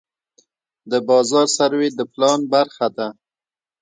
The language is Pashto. د بازار سروې د پلان برخه ده.